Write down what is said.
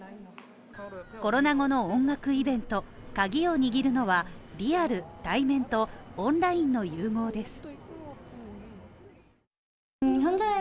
コロナ後の音楽イベント、カギを握るのはリアル＝対面とオンラインの融合です。